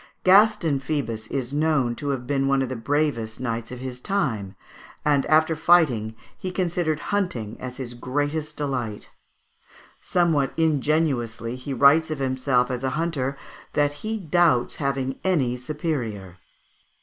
Gaston Phoebus is known to have been one of the bravest knights of his time; and, after fighting, he considered hunting as his greatest delight. Somewhat ingenuously he writes of himself as a hunter, "that he doubts having any superior."